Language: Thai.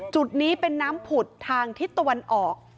จุดนี้เป็นน้ำผุดทางทิศตะวันออก